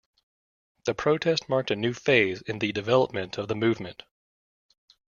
The protest marked a new phase in the development of the movement.